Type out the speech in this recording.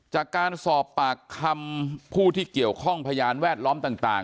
จากการสอบปากคำผู้ที่เกี่ยวข้องพยานแวดล้อมต่าง